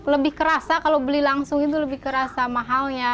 lebih kerasa kalau beli langsung itu lebih kerasa mahalnya